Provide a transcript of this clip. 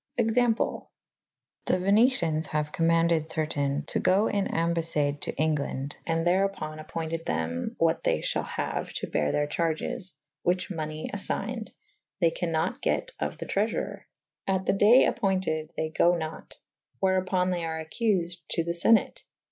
Example. The Venecians haue commaunded certayne to go in ambafiade to Englande / and therupon appointed thew what they fhal haue to bere their charges / whiche money affigned : they can nat get of the treafourer : At the daye appoynted they go nat / wherupon they are accufed to the Senate.